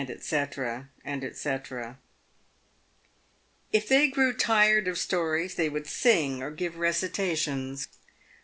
&c. If they grew tired of stories, they would sing or give recitations.